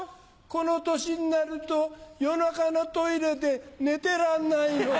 この年になると夜中のトイレで寝てらんないの。